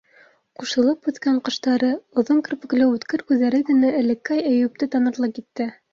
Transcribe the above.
Ҡушылып үҫкән ҡаштары, оҙон керпекле үткер күҙҙәре генә элекке Әйүпте танырлыҡ итә.